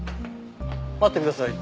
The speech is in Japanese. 待ってください。